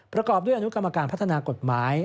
ประกอบด้วยอนุกรรมการพัฒนากฎหมาย